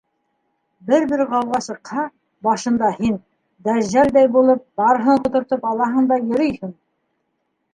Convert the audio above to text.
Бер-бер ғауға сыҡһа, башында һин, дәжжәлдәй булып, барыһын ҡотортоп алаһың да йөрөйһөң!